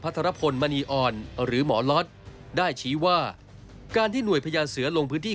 ธรพลมณีอ่อนหรือหมอล็อตได้ชี้ว่าการที่หน่วยพญาเสือลงพื้นที่